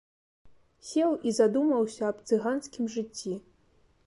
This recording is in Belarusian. Сеў і задумаўся аб цыганскім жыцці.